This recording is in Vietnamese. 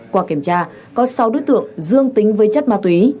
qua kiểm tra có sáu đối tượng dương tính với chất ma túy